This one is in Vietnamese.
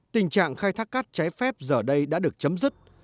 tình trạng khai thác cát trái phép giờ đây đã được chấm dứt